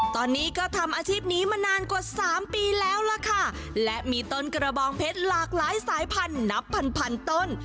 ตอนนี้ก็ทำอาชีพนี้มานานกว่าสามปีแล้วล่ะค่ะและมีต้นกระบองเพชรหลากหลายสายพันธับพันพันต้น